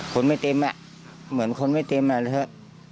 คนไม่เต็มอ่ะเหมือนคนไม่เต็มอ่ะเถอะ